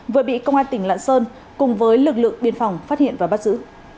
vừa bị công an tỉnh lạng sơn cùng với lực lượng biên phòng phát hiện và bắt giữ